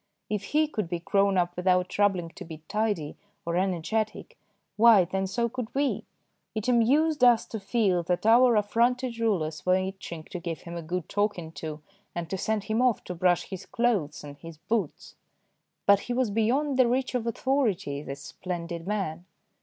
If he could be grown up without troubling to be tidy or energetic, why, then, so could we ! It amused THE WOOL GATHERER 201 us to feel that our affronted rulers were itching to give him a good talking to and to send him off to brush his clothes and his boots ; but he was beyond the reach of authority, this splendid man.